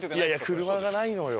車がないのよ。